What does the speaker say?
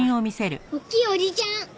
おっきいおじちゃん！